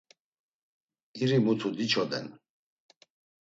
iri mutu diçoden.